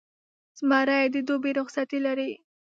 زمری د دوبي رخصتۍ لري.